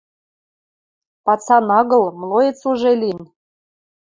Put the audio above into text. Пацан агыл, млоец уже лин.